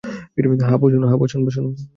হ্যাঁ, বসুন বসুন।